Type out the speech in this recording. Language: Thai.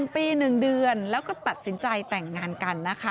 ๑ปี๑เดือนแล้วก็ตัดสินใจแต่งงานกันนะคะ